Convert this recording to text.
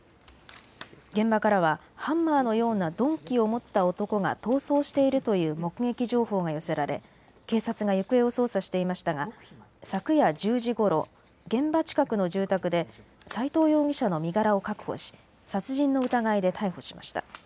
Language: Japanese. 現場からは、ハンマーのような鈍器を持った男が逃走しているという目撃情報が寄せられ警察が行方を捜査していましたが昨夜１０時ごろ現場近くの住宅で齋藤容疑者の身柄を確保し殺人の疑いで逮捕しました。